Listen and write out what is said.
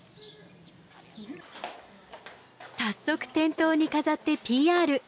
早速店頭に飾ってＰＲ。